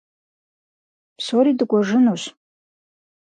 Псори дыкӀуэжынущ.